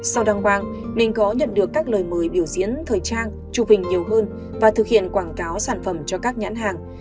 sau đăng quang mình có nhận được các lời mời biểu diễn thời trang tru hình nhiều hơn và thực hiện quảng cáo sản phẩm cho các nhãn hàng